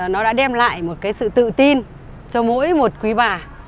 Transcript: nó đã đem lại một cái sự tự tin cho mỗi một quý bà